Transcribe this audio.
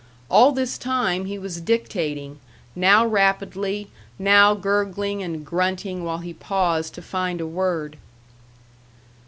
All this time he was dictating, now rapidly, now gurgling and grunting while he paused to find a word.